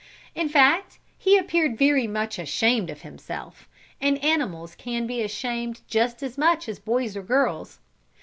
In fact he appeared very much ashamed of himself, and animals can be ashamed just as much as can boys or girls.